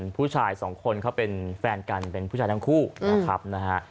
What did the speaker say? ผู้ชายสองคนเขาเป็นแฟนกันเป็นผู้ชายทั้งคู่นะครับนะฮะ